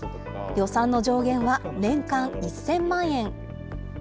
予算の上限は年間１０００万円。